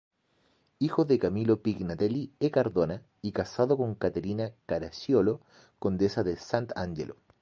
Hijo de Camillo Pignatelli e Cardona, y casado con Caterina Caracciolo, condesa de Sant'Angelo.